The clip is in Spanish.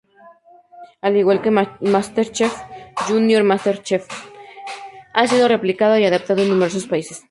Al igual que "MasterChef", "Junior MasterChef" ha sido replicado y adaptado en numerosos países.